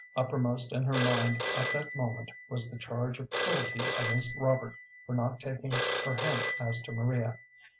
Uppermost in her mind at that moment was the charge of cruelty against Robert for not taking her hint as to Maria.